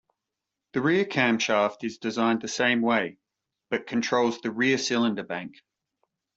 The rear camshaft is designed the same way, but controls the rear cylinder bank.